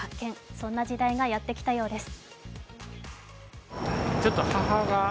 そんな時代がやってきたようです。